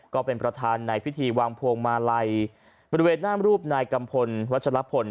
ก็เป็นประธานในพิธีวางพวงมาลัยบริเวณหน้ามรูปนายกัมพลวัชลพล